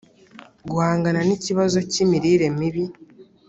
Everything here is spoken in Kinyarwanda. guhangana n ikibazo cy imirire mibi